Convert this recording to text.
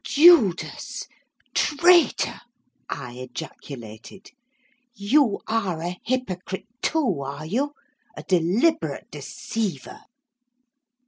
"Judas! Traitor!" I ejaculated. "You are a hypocrite, too, are you? A deliberate deceiver."